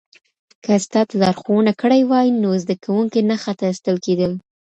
که استاد لارښوونه کړې وای نو زده کوونکی نه خطا استل کېدل.